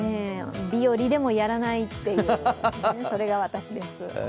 日和でもやらないっていう、それが私です。